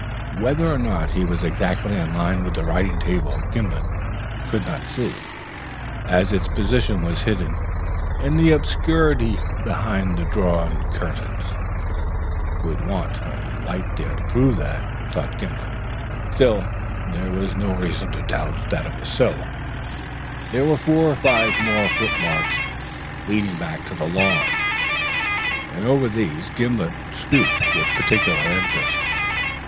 Whether or not he was exactly in line with the writing table Gimblet could not see, as its position was hidden in the obscurity behind the drawn curtains. It would want a light there to prove that, thought Gimblet; still there was no reason to doubt that it was so. There were four or five more footmarks leading back to the lawn, and over these Gimblet stooped with particular interest.